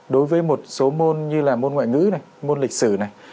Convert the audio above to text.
đối với một số môn như là môn ngoại ngữ này môn lịch sử này